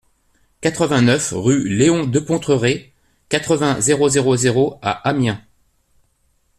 quatre-vingt-neuf rue Léon Dupontreué, quatre-vingts, zéro zéro zéro à Amiens